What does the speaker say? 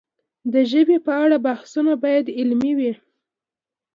د ژبې په اړه بحثونه باید علمي وي.